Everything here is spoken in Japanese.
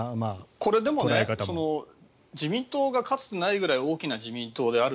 これ、でも自民党がかつてないぐらい大きな自民党である。